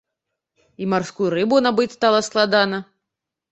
І марскую рыбу набыць стала складана.